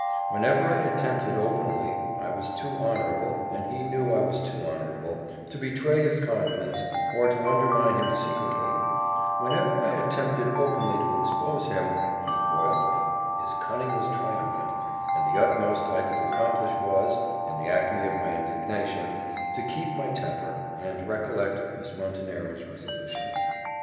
Whenever I attempted openly I was too honourable, and he knew I was too honourable, to betray his confidence, or to undermine him secretly whenever I attempted openly to expose him, he foiled me his cunning was triumphant, and the utmost I could accomplish was, in the acme of my indignation, to keep my temper, and recollect Miss Montenero's resolution.